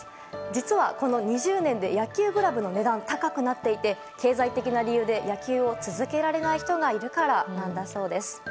実はこの２０年で野球グラブの値段が高くなっていて経済的な理由で野球を続けられない人がいるからなんだそうです。